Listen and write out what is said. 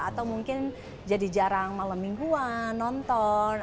atau mungkin jadi jarang malam mingguan nonton